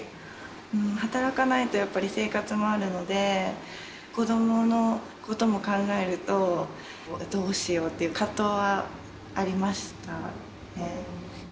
働かないとやっぱり生活もあるので、子どものことも考えると、どうしようっていう葛藤はありましたね。